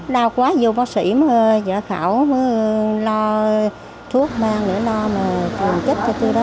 đau quá vô bác sĩ giả khảo lo thuốc mang để lo trồng kết cho tôi đó